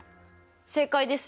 正解ですよ！